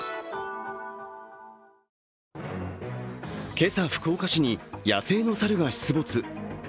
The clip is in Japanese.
今朝、福岡市に野生の猿が出没。